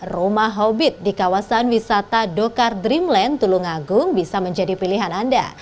rumah hobbit di kawasan wisata dokar dreamland tulungagung bisa menjadi pilihan anda